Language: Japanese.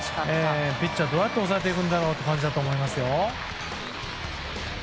ピッチャーどうやって抑えていくんだろうという感じだと思いますよ。